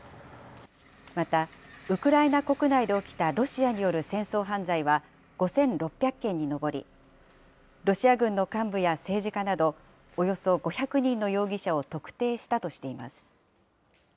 また、ウクライナ国内で起きたロシアによる戦争犯罪は５６００件に上り、ロシア軍の幹部や政治家など、およそ５００人の容疑者を特定したとしています。